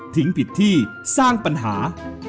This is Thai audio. ผิดที่สร้างปัญหา